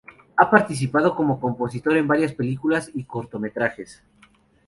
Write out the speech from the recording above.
Ha participado como compositor en varias películas y cortometrajes.